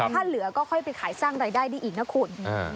ถ้าเหลือก็ค่อยไปขายสร้างรายได้ได้อีกนะคุณ